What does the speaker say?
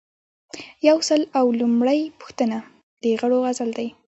یو سل او لومړۍ پوښتنه د غړو عزل دی.